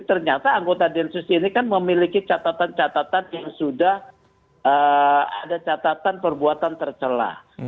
ternyata anggota densus ini kan memiliki catatan catatan yang sudah ada catatan perbuatan tercelah